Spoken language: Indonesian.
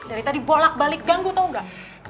dari tadi bolak balik gang gue tau gak